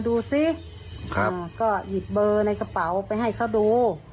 ดูสิก็หยิบเบอร์ในกระเป๋าไปให้เขาดู